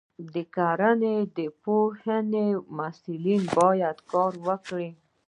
د کرنې پوهنځي محصلین باید کار وکړي.